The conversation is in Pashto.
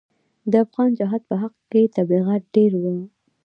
د افغان جهاد په حق کې تبلیغات ډېر وو.